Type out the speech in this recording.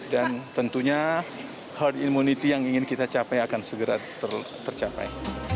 dan tentunya herd immunity yang ingin kita capai akan segera tercapai